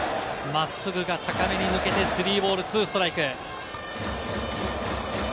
真っすぐが高めに抜けて３ボール２ストライク。